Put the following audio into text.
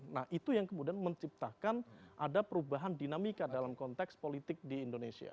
nah itu yang kemudian menciptakan ada perubahan dinamika dalam konteks politik di indonesia